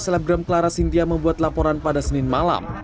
selebgram clara sintia membuat laporan pada senin malam